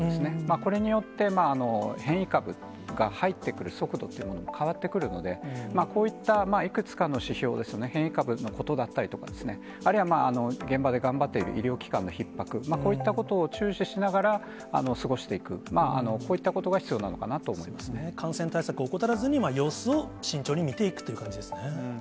これによって変異株が入ってくる速度っていうものが変わってくるので、こういったいくつかの指標ですね、変異株のことだったりとか、あるいは現場で頑張っている医療機関のひっ迫、こういったことを注視しながら過ごしていく、こういったことが必そうですね、感染対策を怠らずに様子を慎重に見ていくという感じですね。